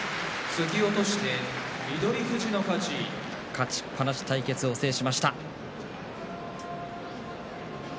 勝ちっぱなし対決を制しました。